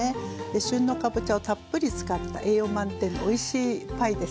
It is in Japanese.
旬のかぼちゃをたっぷり使った栄養満点のおいしいパイです。